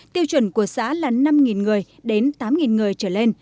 tiêu chuẩn của xã là năm người đến tám người trở lên